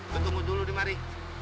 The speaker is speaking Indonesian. gue temu dulu di mari